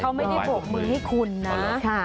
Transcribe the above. เขาไม่ได้โบกมือให้คุณนะ